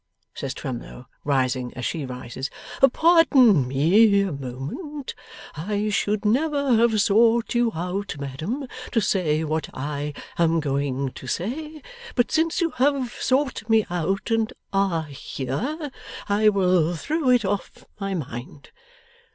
says Twemlow, rising as she rises. 'Pardon me a moment. I should never have sought you out, madam, to say what I am going to say, but since you have sought me out and are here, I will throw it off my mind.